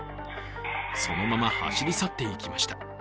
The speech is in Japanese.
そのまま走り去っていきました。